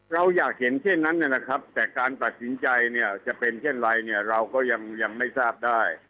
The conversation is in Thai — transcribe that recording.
เราอยากเห็นเช่นนั้นนะครับแต่การตัดสินใจเนี่ยจะเป็นเช่นไรเนี่ยเราก็ยังไม่ทราบได้